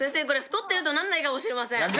これ太ってるとなんないかもしれません。